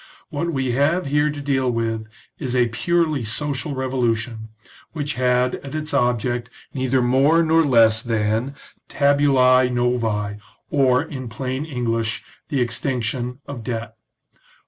What we have here to deal with is a purely social revolution, which had as its object neither more nor less than " tabulae novael' or, in plain English, the extinction of debt.